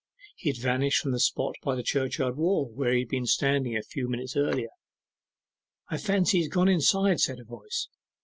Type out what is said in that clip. He had vanished from the spot by the churchyard wall, where he had been standing a few minutes earlier. 'I fancy he's gone inside,' said a voice.